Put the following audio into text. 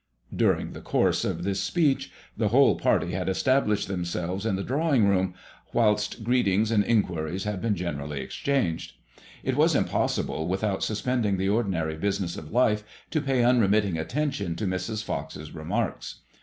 During the course of this speech the whole party had es tablished themselves in the "I 66 MADSMOISKLLK IXK. drawing roomy whilst greetings and inquiries had beea generally exchanged. It was impossible without suspending the ordinary business of life to pay unremitting attention to Mrs. Fox's remarks.